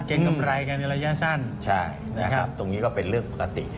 กำไรกันในระยะสั้นใช่นะครับตรงนี้ก็เป็นเรื่องปกติ